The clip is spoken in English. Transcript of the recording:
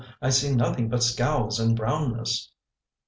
" I see nothing but scowls and brownness."